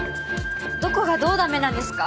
どこがどう駄目なんですか？